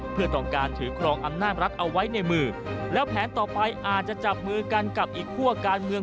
เพื่อต้องการถือครองอำนาจรัฐเอาไว้ในมือแล้วแผนต่อไปอาจจะจับมือกันกับอีกคั่วการเมือง